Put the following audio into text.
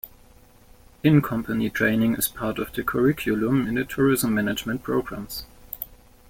In-company training is part of the curriculum in the tourism management programmes.